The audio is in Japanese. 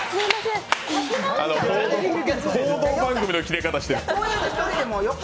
報道番組のキレ方してる。